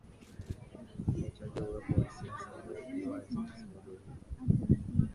itachangia uwepo wa siasa za uwazi kwa sababu hii